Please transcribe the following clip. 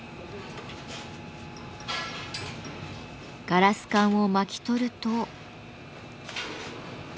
ガラス管を巻き取ると。